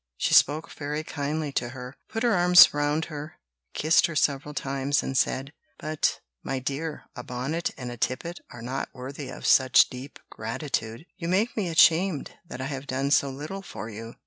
She spoke very kindly to her, put her arms round her, kissed her several times, and said: "But, my dear, a bonnet and a tippet are not worthy of such deep gratitude; you make me ashamed that I have done so little for you."